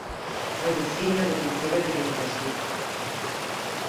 Foi veciño do Concello de Ribas de Sil